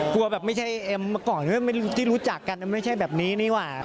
กลัวแบบไม่ใช่เอ็มมาก่อนที่รู้จักกันไม่ใช่แบบนี้นี่หว่า